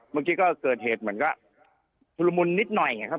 เมื่อกี้ก็เกิดเหตุเหมือนกับทุรมุนนิดหน่อยไงครับ